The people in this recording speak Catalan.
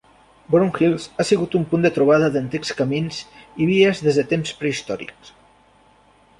Brownhills ha sigut un punt de trobada d'antics camins i vies des de temps prehistòrics.